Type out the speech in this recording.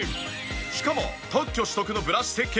しかも特許取得のブラシ設計がすごい！